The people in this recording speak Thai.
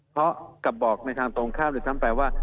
เพราะกับบอกในทางตรงข้ามหรือทำแปลว่า